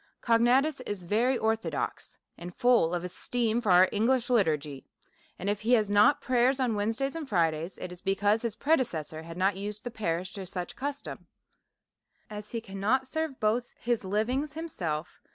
Cognatus is very orthodox, and full of esteem for our English liturgy ; and if he has not prayers on Wednesdays and Fridays, it is because his predeces sors had not used the parish to any such custom. As he cannot serve both his livings himself